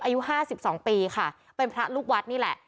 อายุห้าสิบสองปีค่ะเป็นพระลูกวัดนี่แหละ